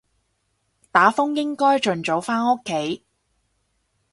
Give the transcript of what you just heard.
打風應該盡早返屋企